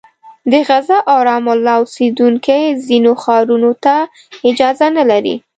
د غزه او رام الله اوسېدونکي ځینو ښارونو ته اجازه نه لري.